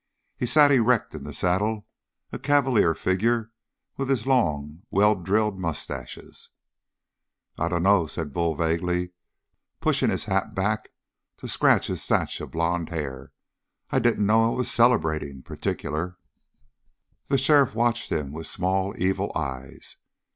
He sat erect in the saddle, a cavalier figure with his long, well drilled mustaches. "I dunno," said Bull vaguely, pushing his hat back to scratch his thatch of blond hair. "I didn't know I was celebrating, particular." The sheriff watched him with small, evil eyes.